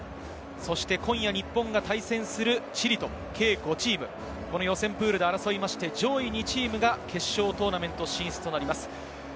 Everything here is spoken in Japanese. そして今夜日本が対戦するチリと計５チーム、予選プールで争って上位２チームが決勝トーナメント進出となります。